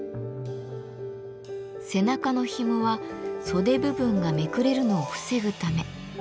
背中のひもは袖部分がめくれるのを防ぐため。